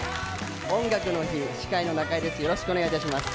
「音楽の日」、司会の中居です。